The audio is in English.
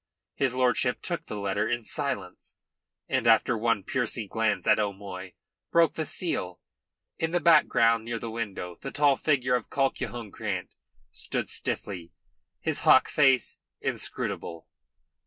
His lordship took the letter in silence, and after one piercing glance at O'Moy broke the seal. In the background, near the window, the tall figure of Colquhoun Grant stood stiffly erect, his hawk face inscrutable.